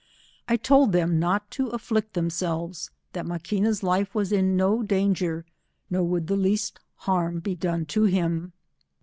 I told them not to afiBict themselves, that Maquina's life was in no danger, nor would th« least harm be done to him.